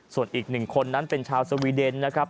ส่วนอีกหนึ่งคนนั้นเป็นชาวสวีเดนนะครับ